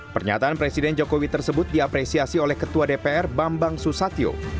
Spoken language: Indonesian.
pernyataan presiden jokowi tersebut diapresiasi oleh ketua dpr bambang susatyo